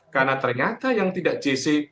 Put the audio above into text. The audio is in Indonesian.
karena ternyata yang tidak jese hukumannya adalah jese